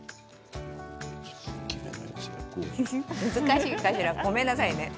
難しいかしら、ごめんなさいね。